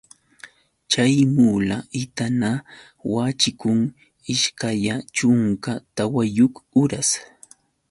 Chay mula itana waćhikun ishkaya chunka tawayuq uras.